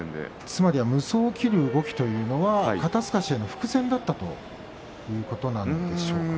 つまり、無双を切る動きというのは肩すかしへの伏線になったということいいんでしょうか。